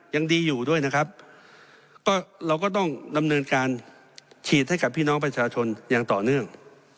ยังดีอยู่ด้วยนะครับก็เราก็ต้องดำเนินการฉีดให้กับพี่น้องประชาชนอย่างต่อเนื่อง